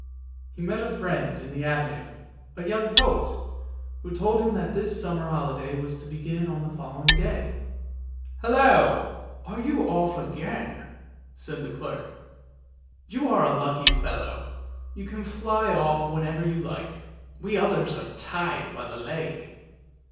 He met a friend in the Avenue, a young poet, who told him that his summer holiday was to begin on the following day. " Hallo! are you off again? " said the clerk. " You are a lucky fellow. You can fly off whenever you like, we others are tied by the leg!